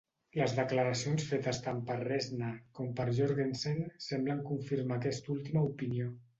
Les declaracions fetes tant per Reznor com per Jourgensen semblen confirmar aquesta última opinió.